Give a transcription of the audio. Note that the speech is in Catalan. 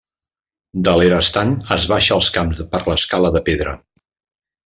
De l'era estant es baixa als camps per escala de pedra.